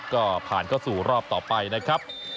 ก็ผ่านเข้าสู่รอบต่อไปนะครับ